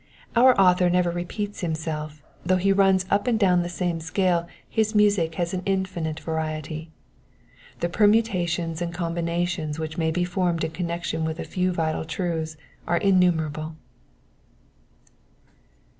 Our author never rejieats himself : .though he runs up and down the same scale, his music has an infinite variety. The permutations and combinations which may be formed in connection with a few vital truths are innumerable.